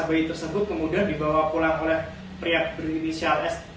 bayi tersebut kemudian dibawa pulang oleh pria berinisial s